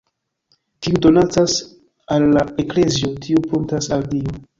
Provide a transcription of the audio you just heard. Kiu donacas al la Eklezio, tiu pruntas al Dio.